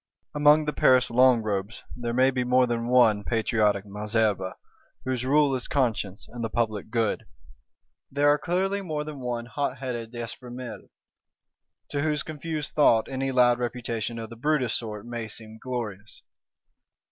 Among the Paris Long robes there may be more than one patriotic Malesherbes, whose rule is conscience and the public good; there are clearly more than one hotheaded D'Espréménil, to whose confused thought any loud reputation of the Brutus sort may seem glorious.